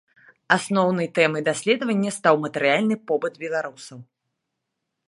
Асноўнай тэмай даследаванняў стаў матэрыяльны побыт беларусаў.